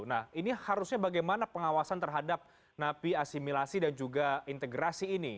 nah ini harusnya bagaimana pengawasan terhadap napi asimilasi dan juga integrasi ini